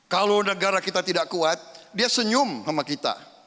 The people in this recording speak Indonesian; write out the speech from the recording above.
kalau negara kita tidak kuat dia senyum sama kita